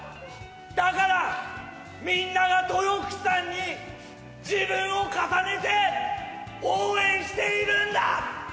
だから、みんなが豊福さんに自分を重ねて応援しているんだ！